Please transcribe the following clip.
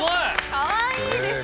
かわいいです。